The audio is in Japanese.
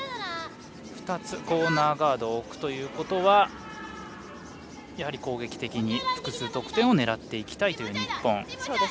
２つ、コーナーガードを置くということはやはり攻撃的に複数得点を狙いたいという日本。